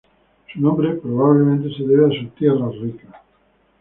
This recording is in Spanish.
Su nombre probablemente se debe a su ""tierra rica"".